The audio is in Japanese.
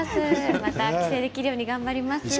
また帰省できるように頑張ります。